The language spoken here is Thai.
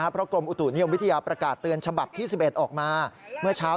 พระอุตุนิยมวิทยาปรากาศเตือนฉบับที่๑๑ออกมา